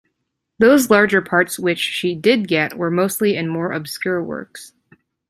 Those larger parts which she did get were mostly in more obscure works.